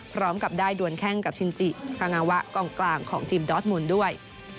พร้อมกับได้ดวนแข้งกับชินจิคางาวะกองกลางของทีมดอสมุนด้วย